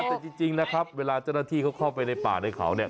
แต่จริงนะครับเวลาเจ้าหน้าที่เขาเข้าไปในป่าในเขาเนี่ย